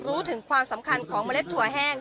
รู้ถึงความสำคัญของเมล็ดถั่วแห้ง